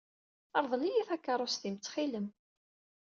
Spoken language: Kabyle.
Ṛḍel-iyi takeṛṛust-im ttxilem.